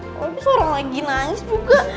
tapi seorang lagi nangis juga